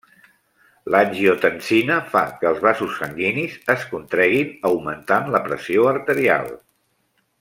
L'angiotensina fa que els vasos sanguinis es contreguin augmentant la pressió arterial.